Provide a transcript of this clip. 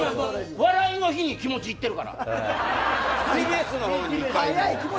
笑いの日に気持ちがいってるから。